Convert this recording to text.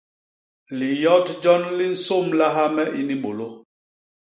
Liyot jon li nsômlaha me ini bôlô.